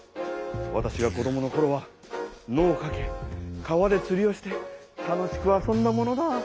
わたしが子どものころは野をかけ川でつりをして楽しく遊んだものだ。